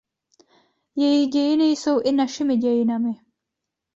Jejich dějiny jsou i našimi dějinami.